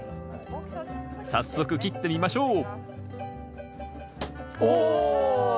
早速切ってみましょうお！